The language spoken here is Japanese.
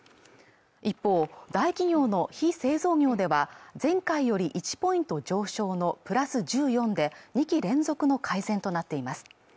一方大企業の非製造業では前回より１ポイント上昇のプラス１４で２期連続の改善となっています